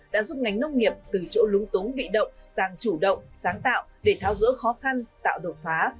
đã giúp ngành nông nghiệp từ chỗ lúng túng bị động sang chủ động sáng tạo để tháo gỡ khó khăn tạo đột phá